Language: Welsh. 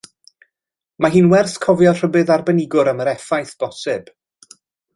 Mae hi'n werth cofio rhybudd arbenigwr am yr effaith bosib.